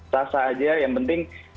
sasa aja yang penting